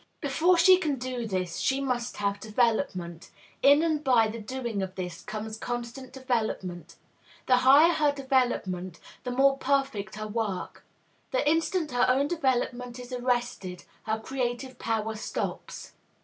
Before she can do this, she must have development; in and by the doing of this comes constant development; the higher her development, the more perfect her work; the instant her own development is arrested, her creative power stops.